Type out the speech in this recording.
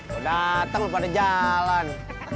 lu dateng lu pada jalan